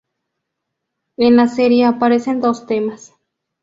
En la serie aparecen dos temas.